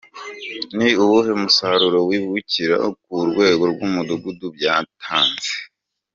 Ni uwuhe musaruro kwibukira ku rwego rw’umudugudu byatanze?.